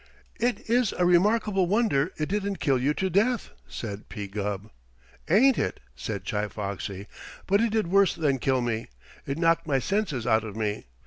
"It is a remarkable wonder it didn't kill you to death," said P. Gubb. "Ain't it?" said Chi Foxy. "But it did worse than kill me. It knocked my senses out of me.